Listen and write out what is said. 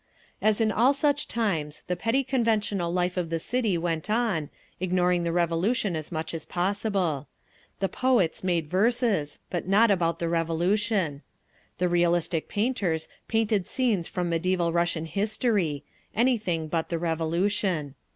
As in all such times, the petty conventional life of the city went on, ignoring the Revolution as much as possible. The poets made verses—but not about the Revolution. The realistic painters painted scenes from mediæval Russian history—anything but the Revolution.